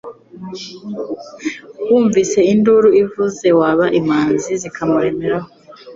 Wumva induru ivuzeWaba imanzi zikamuremeraho